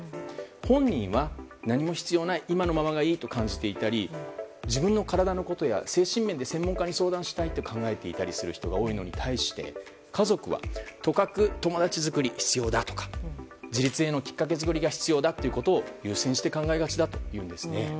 本人は何も必要ない今のままがいいと感じていたり自分の体のことや精神面で専門家に相談したいと考えていたりする人が多いのに対して家族はとかく友達作りが必要だとか自立へのきっかけ作りが必要だと優先して考えがちだというんです。